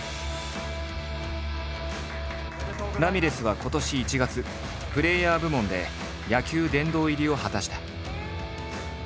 ラミレスは今年１月プレーヤー部門で野球殿堂入りを果たした。